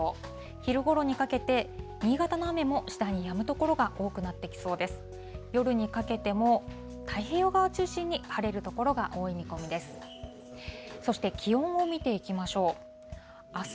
昼ごろにかけて新潟の雨も次第にやむ所が多くなってきそうです。